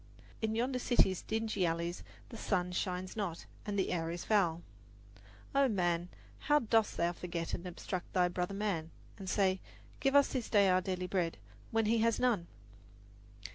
In yonder city's dingy alleys the sun shines not, and the air is foul. Oh, man, how dost thou forget and obstruct thy brother man, and say, "Give us this day our daily bread," when he has none!